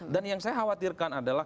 dan yang saya khawatirkan adalah